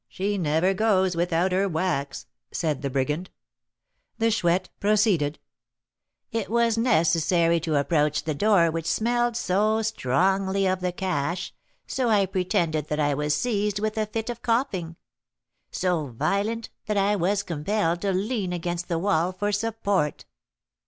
She never goes without her wax!" said the brigand. The Chouette proceeded: "It was necessary to approach the door which smelled so strongly of the cash, so I pretended that I was seized with a fit of coughing, so violent, that I was compelled to lean against the wall for support.